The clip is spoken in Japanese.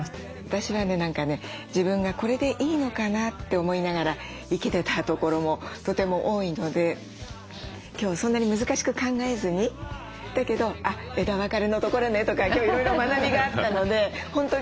私はね何かね自分がこれでいいのかな？って思いながら生けてたところもとても多いので今日そんなに難しく考えずにだけど「あっ枝分かれのところね」とか今日いろいろ学びがあったので本当